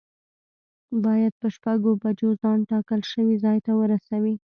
باید په شپږو بجو ځان ټاکل شوي ځای ته ورسوی.